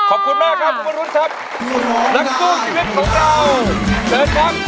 รักษุชีวิตของเรา